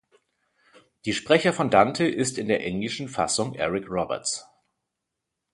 Die Sprecher von Dante ist in der englischen Fassung Eric Roberts.